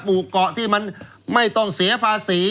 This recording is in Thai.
หมู่เกาะที่มันไม่ต้องเสียภาษี